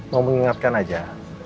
mau mengingatkan aja